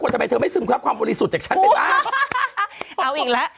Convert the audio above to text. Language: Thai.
อะไรอีกล่ะ